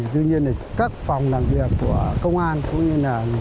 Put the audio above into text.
tuy nhiên thì các phòng làm việc của công an cũng như là